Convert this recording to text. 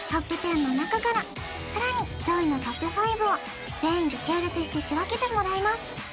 ＴＯＰ１０の中からさらに上位のＴＯＰ５を全員で協力して仕分けてもらいます